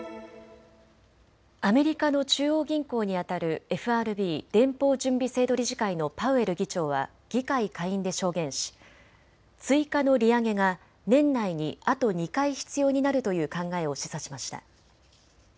アメリカの中央銀行にあたるＦＲＢ・連邦準備制度理事会のパウエル議長は議会下院で証言し追加の利上げが年内にあと２回必要になるという考えを示唆しました。